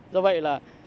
do vậy là